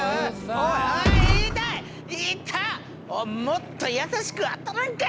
おもっと優しく当たらんかい！